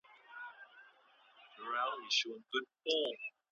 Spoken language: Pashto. ولي مدام هڅاند د تکړه سړي په پرتله هدف ترلاسه کوي؟